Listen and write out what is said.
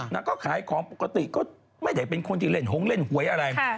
นางก็ขายของปกติก็ไม่ได้เป็นคนที่เล่นหงเล่นหวยอะไร